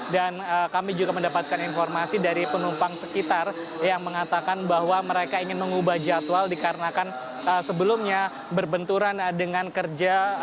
dan kami juga mendapatkan informasi dari penumpang sekitar yang mengatakan bahwa mereka ingin mengubah jadwal dikarenakan sebelumnya berbenturan dengan kerja